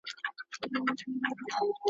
مورنۍ ژبه څنګه د زده کړې باور جوړوي؟